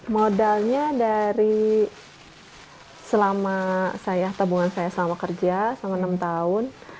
modalnya dari selama saya tabungan saya selama kerja selama enam tahun